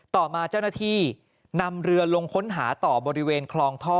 ต่อมาเจ้าหน้าที่นำเรือลงค้นหาต่อบริเวณคลองท่อ